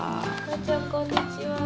こんにちは。